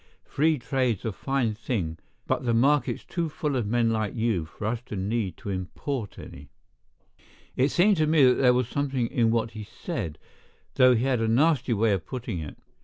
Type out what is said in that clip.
Free trade's a fine thing but the market's too full of men like you for us to need to import any." It seemed to me that there was something in what he said, though he had a nasty way of putting it.